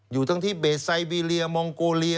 อยู่ทั้งที่เบสไซบีเรียมองโกเลีย